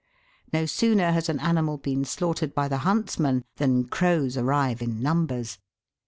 No sooner has an animal been slaughtered by the huntsman than crows arrive in numbers.